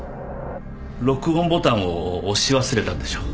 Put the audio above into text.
録音ボタンを押し忘れたんでしょう。